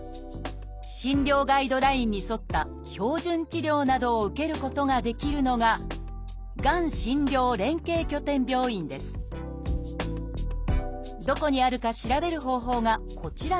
診療ガイドラインに沿った標準治療などを受けることができるのがどこにあるか調べる方法がこちらのホームページ。